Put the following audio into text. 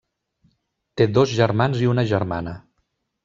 Té dos germans i una germana.